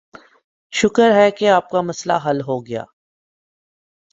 شکر ہے کہ آپ کا مسئلہ حل ہوگیا